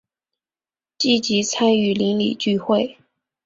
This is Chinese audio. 积极参与邻里聚会